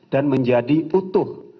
dan menjadi utuh